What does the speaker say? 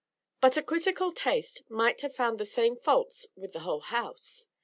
But a critical taste might have found the same faults with the whole house.